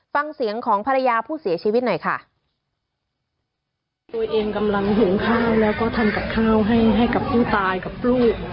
ฟังเสียงของภรรยาผู้เสียชีวิตหน่อยค่ะตัวเองกำลังหิงข้าวแล้วก็ทำกับข้าวให้ให้กับผู้ตายกับลูก